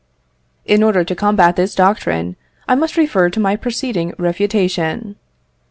In order to combat this doctrine, I must refer to my preceding refutation.